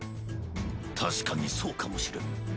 確かにそうかもしれん。